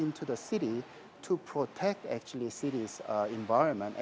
untuk masuk ke kota untuk melindungi alam kota